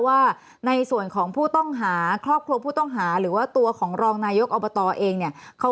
ว่าในส่วนของผู้ต้องหาครอบครัวผู้ต้องหาหรือว่าตัวของรองนายกอบตเองเนี่ย